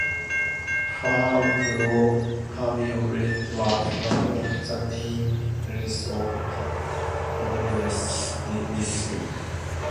Flavio Bertelli was one of the main representatives of Bolognese divisionism.